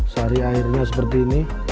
sari airnya seperti ini